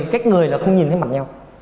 cách người là không nhìn thấy mặt nhau